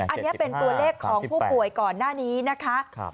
อันนี้เป็นตัวเลขของผู้ป่วยก่อนหน้านี้นะคะ